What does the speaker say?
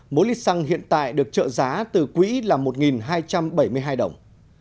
mỗi lít xăng hiện tại được trợ giá từ quỹ là một hai trăm bảy mươi hai đồng